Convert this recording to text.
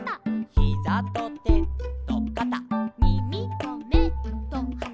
「ヒザとてとかた」「みみとめとはな」